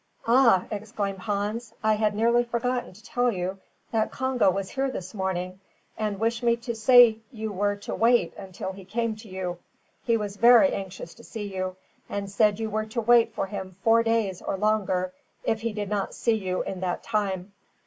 "Ah!" exclaimed Hans, "I had nearly forgotten to tell you that Congo was here this morning, and wished me to say you were to wait until he came to you. He was very anxious to see you, and said you were to wait for him four days, or longer, if he did not see you in that time."